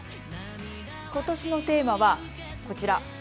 ことしのテーマは、こちら。